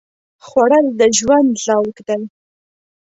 خوړل د ژوند ذوق دی